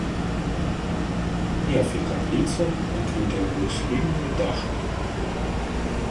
Неф і капліца накрытыя двухсхільнымі дахамі.